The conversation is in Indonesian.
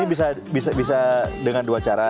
ini bisa dengan dua cara